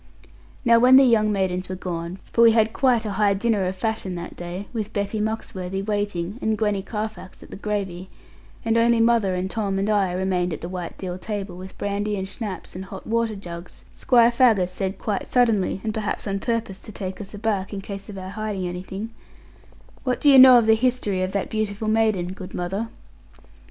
Now when the young maidens were gone for we had quite a high dinner of fashion that day, with Betty Muxworthy waiting, and Gwenny Carfax at the gravy and only mother, and Tom, and I remained at the white deal table, with brandy, and schnapps, and hot water jugs; Squire Faggus said quite suddenly, and perhaps on purpose to take us aback, in case of our hiding anything, 'What do you know of the history of that beautiful maiden, good mother?'